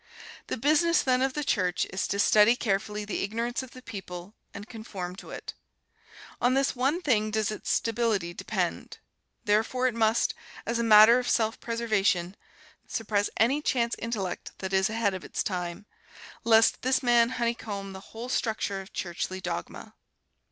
The business, then, of the Church is to study carefully the ignorance of the people and conform to it. On this one thing does its stability depend. Therefore it must, as a matter of self preservation, suppress any chance intellect that is ahead of its time, lest this man honeycomb the whole structure of churchly dogma.